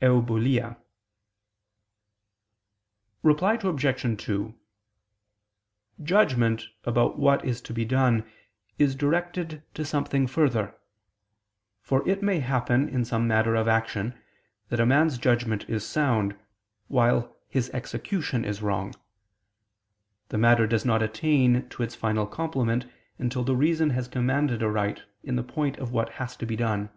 euboulia. Reply Obj. 2: Judgment about what is to be done is directed to something further: for it may happen in some matter of action that a man's judgment is sound, while his execution is wrong. The matter does not attain to its final complement until the reason has commanded aright in the point of what has to be done.